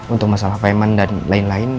untuk masalah payment dan lain lain